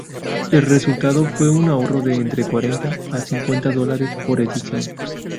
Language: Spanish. El resultado fue un ahorro de entre cuarenta a cincuenta dólares por edición.